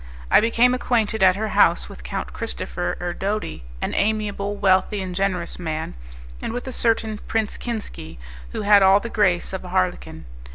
I became acquainted at her house with Count Christopher Erdodi, an amiable, wealthy and generous man; and with a certain Prince Kinski who had all the grace of a harlequin.